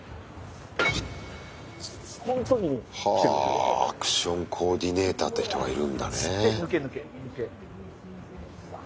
はあアクションコーディネーターって人がいるんだね。